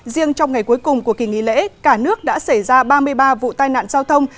riêng trong ngày cuối cùng của kỳ nghỉ lễ cả nước đã xảy ra ba mươi ba vụ tai nạn giao thông